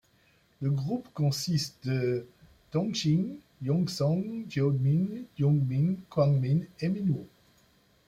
Le groupe consiste de Donghyun, Hyunseong, Jeongmin, Youngmin, Kwangmin et Minwoo.